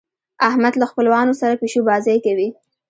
احمد له خپلوانو سره پيشو بازۍ کوي.